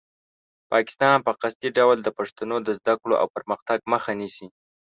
پاکستان په قصدي ډول د پښتنو د زده کړو او پرمختګ مخه نیسي.